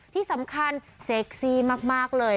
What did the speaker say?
ที่สำคัญเซ็กซี่มากเลย